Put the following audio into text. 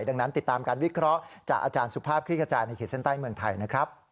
ดังนั้นติดตามการวิเคราะห์จากอาจารย์สุภาพคลิกกระจายในขีดเส้นใต้เมืองไทยนะครับ